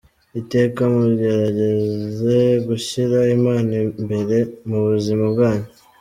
Iteka mugerageze gushyira Imana imbere mu buzima bwanyu.